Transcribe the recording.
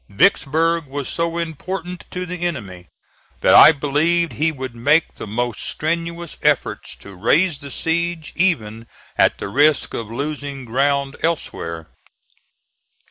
Vicksburg was so important to the enemy that I believed he would make the most strenuous efforts to raise the siege, even at the risk of losing ground elsewhere.